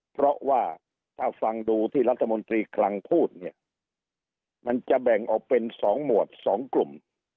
เพราะว่าถ้าฟังดูที่รัฐมนตรีคลังพูดเนี่ยมันจะแบ่งออกเป็น๒หมวด๒กลุ่ม